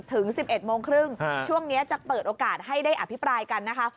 ถึง๑๑โมงครึ่งช่วงนี้จะเปิดโอกาสให้ได้อภิปรายกันนะคะ